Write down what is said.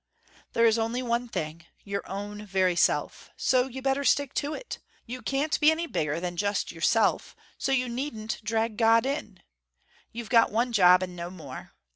"There is only one thing, your own very self. So you'd better stick to it. You can't be any bigger than just yourself, so you needn't drag God in. You've got one job, and no more.